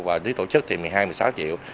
và dưới tổ chức thì một mươi hai một mươi sáu triệu